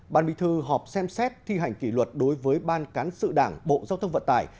ban bí thư họp xem xét thi hành kỷ luật đối với ban cán sự đảng bộ giao thông vận tải